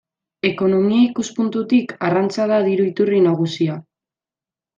Ekonomia ikuspuntutik arrantza da diru-iturri nagusia.